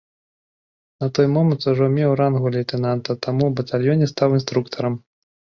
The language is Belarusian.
На той момант ужо меў рангу лейтэнанта, таму ў батальёне стаў інструктарам.